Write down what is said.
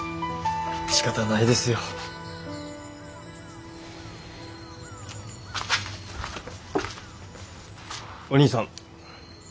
しかたないですよ。お義兄さん。